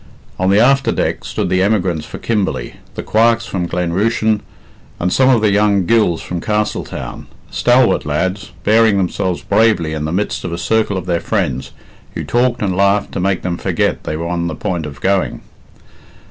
On the after deck stood the emigrants for Kimberley, the Quarks from Glen Rushen, and some of the young Gills from Castletown stalwart lads, bearing themselves bravely in the midst of a circle of their friends, who talked and laughed to make them forget they were on the point of going.